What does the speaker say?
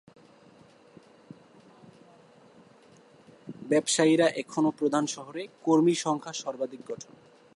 ব্যবসায়ীরা এখনও প্রধান শহরে কর্মী সংখ্যা সর্বাধিক গঠন।